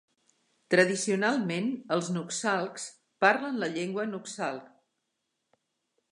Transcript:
Tradicionalment, els nuxalks parlen la llengua nuxalk.